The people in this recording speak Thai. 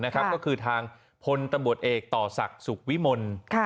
ก็คือทางพลตำรวจเอกต่อศักดิ์สุขวิมล